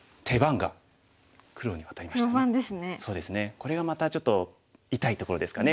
これがまたちょっと痛いところですかね。